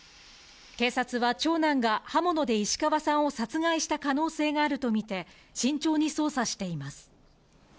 警察は長男が刃物で石川さんを殺害した可能性があるとみて慎重に捜査しています。